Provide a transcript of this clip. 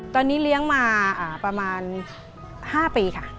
ตอนนี้เลี้ยงมาประมาณ๕ปีค่ะ